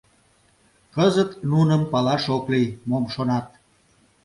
Кызыт нуным палаш ок лий: мом шонат?